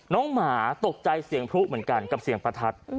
หมาตกใจเสียงพลุเหมือนกันกับเสียงประทัด